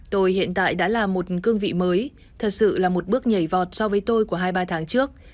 tôi hiện tại đã là một cương vị mới thật sự là một bước nhảy vọt so với tôi của hai mươi ba tháng trước